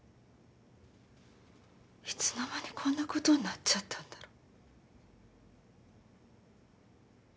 いつの間にこんなことになっちゃったんだろ？